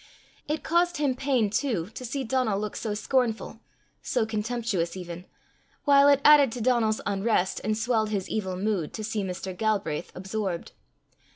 It caused him pain too to see Donal look so scornful, so contemptuous even; while it added to Donal's unrest, and swelled his evil mood, to see Mr. Galbraith absorbed.